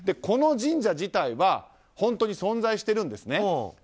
この神社自体は本当に存在してるんですね。